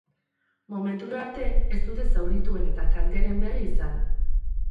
Momentura arte, ez dute zaurituen eta kalteren berri izan.